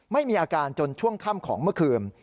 ไม่มีอาการจนช่วงค่ำของเมื่อคืน